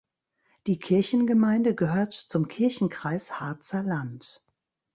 Die Kirchengemeinde gehört zum Kirchenkreis Harzer Land.